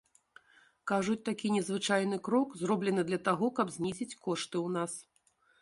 Кажуць, такі незвычайны крок зроблены для таго, каб знізіць кошты ў нас.